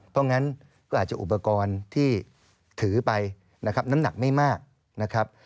เพราะงั้นก็อาจจะอุปกรณ์ที่ถือไปนะครับน้ำหนักไม่มากนะครับ